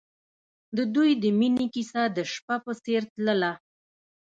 د دوی د مینې کیسه د شپه په څېر تلله.